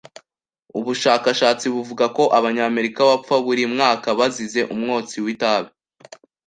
Ubushakashatsi buvuga ko Abanyamerika bapfa buri mwaka bazize umwotsi w’itabi